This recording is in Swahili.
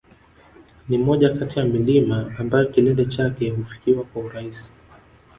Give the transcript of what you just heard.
Ni moja kati ya milima ambayo kilele chake hufikiwa kwa urahisi